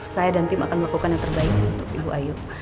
saya dan tim akan melakukan yang terbaik untuk ibu ayu